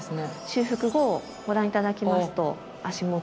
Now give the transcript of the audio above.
修復後をご覧頂きますと足元。